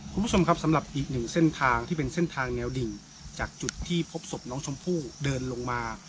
คุณผู้ชมครับสำหรับอีกหนึ่งเส้นทางที่เป็นเส้นทางแนวดิ่งจากจุดที่พบศพน้องชมพู่เดินลงมา